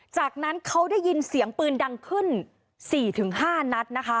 จากนั้นเขาได้ยินเสียงปืนดังขึ้น๔๕นัดนะคะ